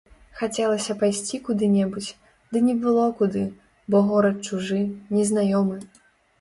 Хацелася пайсці куды-небудзь, ды не было куды, бо горад чужы, незнаёмы.